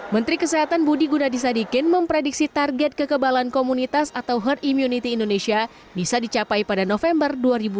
menteri kesehatan budi gunadisadikin memprediksi target kekebalan komunitas atau herd immunity indonesia bisa dicapai pada november dua ribu dua puluh